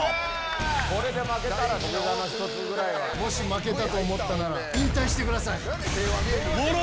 これで負けたら土下座の一つもし負けたと思ったら、引退してください。